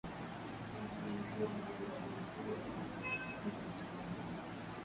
somo lile lililopokelewa kule zimbabwe